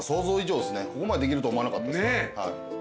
ここまでできると思わなかった。